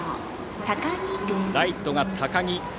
ライトが高木。